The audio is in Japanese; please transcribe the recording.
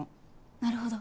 なるほど。